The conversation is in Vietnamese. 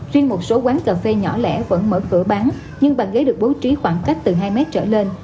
riêng một số quán cà phê nhỏ lẻ vẫn mở cửa bán nhưng bàn ghế được bố trí khoảng cách từ hai mét trở lên